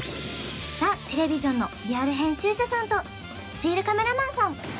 ザテレビジョンのリアル編集者さんとスチールカメラマンさん